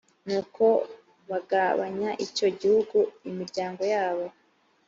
nuko bagabanya icyo gihugu imiryango yabo